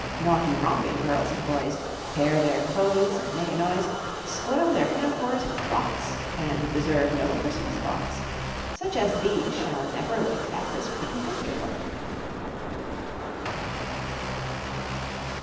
Naughty, romping girls and boys Tear their clothes and make a noise, Spoil their pinafores and frocks, And deserve no Christmas box. Such as these shall never look At this pretty Picture book.